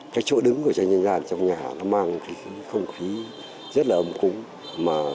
cái chỗ đứng của tranh dân gian trong nhà nó mang cái không khí rất là âm cúng mà nó cũng dễ trao